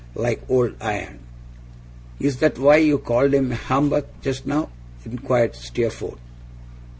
Like old iron!' 'Is that why you called him a humbug, just now?' inquired Steerforth.